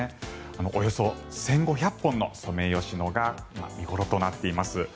およそ１５００本のソメイヨシノが見頃となっています。